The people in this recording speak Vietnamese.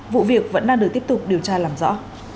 vụ việc vẫn đang được tiếp tục điều tra làm rõ